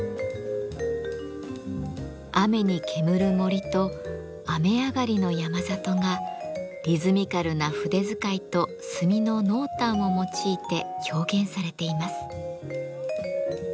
雨に煙る森と雨上がりの山里がリズミカルな筆遣いと墨の濃淡を用いて表現されています。